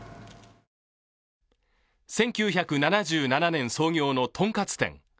１９７７年創業のとんかつ店。